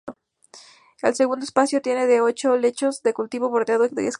El segundo espacio tiene de ocho lechos de cultivo bordeada de castaños.